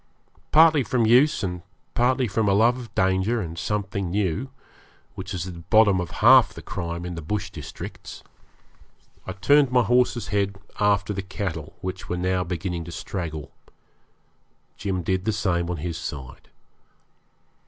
Partly from use, and partly from a love of danger and something new, which is at the bottom of half the crime in the bush districts, I turned my horse's head after the cattle, which were now beginning to straggle. Jim did the same on his side.